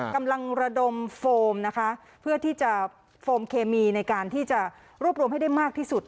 กำลังระดมโฟมนะคะเพื่อที่จะโฟมเคมีในการที่จะรวบรวมให้ได้มากที่สุด